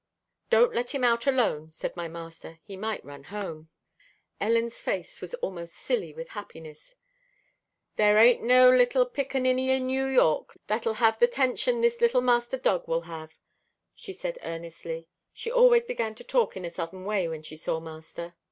"Don't let him out alone," said my master, "he might run home." Ellen's face was almost silly with happiness. "There ain't no little pickaninny in New York, that'll have the 'tention this little master dog will have," she said earnestly. She always began to talk in a southern way when she saw master.